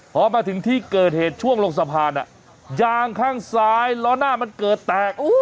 พอมาถึงที่เกิดเหตุช่วงลงสะพานยางข้างซ้ายล้อหน้ามันเกิดแตก